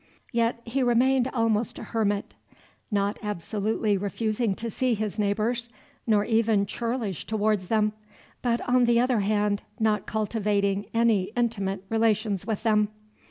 Yet he remained almost a hermit, not absolutely refusing to see his neighbors, nor even churlish towards them, but on the other hand not cultivating any intimate relations with them.